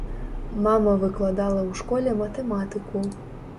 Мама выкладала ў школе матэматыку.